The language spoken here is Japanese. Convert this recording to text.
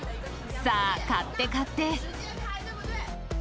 さあ、買って、買って。